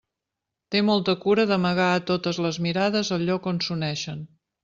Té molta cura d'amagar a totes les mirades el lloc on s'uneixen.